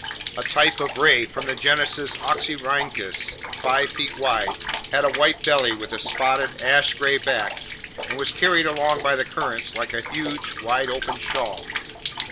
A type of ray from the genus Oxyrhynchus, five feet wide, had a white belly with a spotted, ash gray back and was carried along by the currents like a huge, wide open shawl.